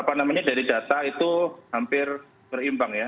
apa namanya dari data itu hampir berimbang ya